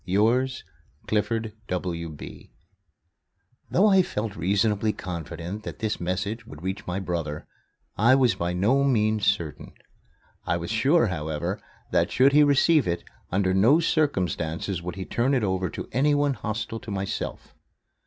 Yours, CLIFFORD W.B. Though I felt reasonably confident that this message would reach my brother, I was by no means certain. I was sure, however, that, should he receive it, under no circumstances would he turn it over to anyone hostile to myself.